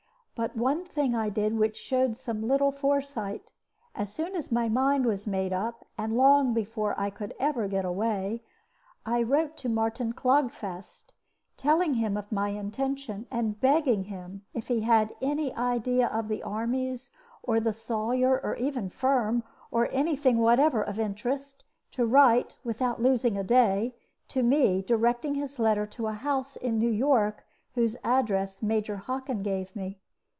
But one thing I did which showed some little foresight. As soon as my mind was made up, and long before ever I could get away, I wrote to Martin Clogfast, telling him of my intention, and begging him, if he had any idea of the armies, or the Sawyer, or even Firm, or any thing whatever of interest, to write (without losing a day) to me, directing his letter to a house in New York whose address Major Hockin gave me.